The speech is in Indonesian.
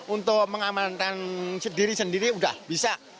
untuk pengamatan sendiri sendiri udah bisa